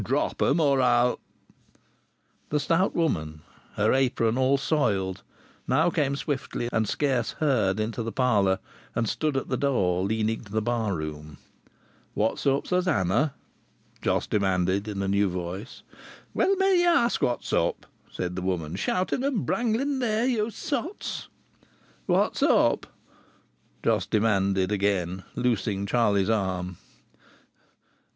"Drop 'em! Or I'll " The stout woman, her apron all soiled, now came swiftly and scarce heard into the parlour, and stood at the door leading to the bar room. "What's up, Susannah?" Jos demanded in a new voice. "Well may ye ask what's up!" said the woman. "Shouting and brangling there, ye sots!" "What's up?" Jos demanded again, loosing Charlie's arm.